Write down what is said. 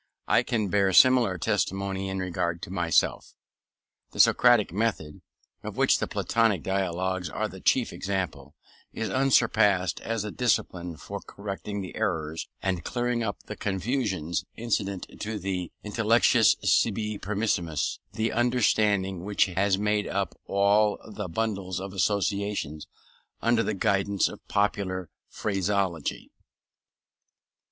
I can bear similar testimony in regard to myself. The Socratic method, of which the Platonic dialogues are the chief example, is unsurpassed as a discipline for correcting the errors, and clearing up the confusions incident to the intellectus sibi permissus, the understanding which has made up all its bundles of associations under the guidance of popular phraseology.